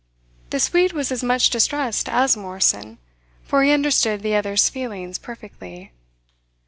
The Swede was as much distressed as Morrison; for he understood the other's feelings perfectly.